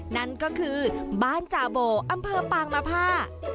นั่นก็คือบ้านจาโบอำเภอปางมภา